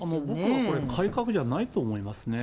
これ、改革じゃないと思いますね。